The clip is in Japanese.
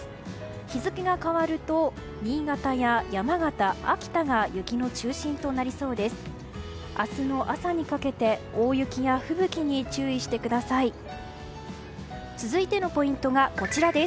日付が変わると新潟や山形、秋田が雪の中心となりそうです。